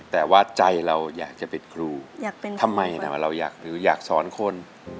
แต่ว่าใจเราอยากจะเป็นครูทำไมนะว่าเราอยากรู้อยากสอนคน